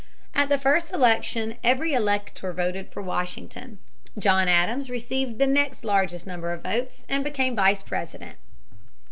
At the first election every elector voted for Washington. John Adams received the next largest number of votes and became Vice President.